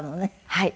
はい。